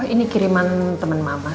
ini kiriman temen mama sih